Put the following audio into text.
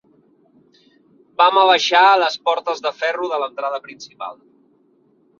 Vam abaixar les portes de ferro de l'entrada principal